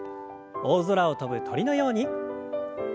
大空を飛ぶ鳥のように。